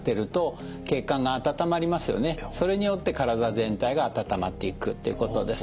それによって体全体が温まっていくっていうことです。